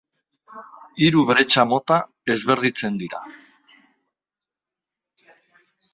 Hiru bretxa mota ezberdintzen dira.